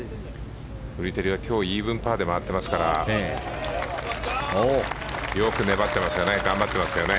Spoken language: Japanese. フリテリは、今日イーブンパーで回っていますからよく粘ってますよね。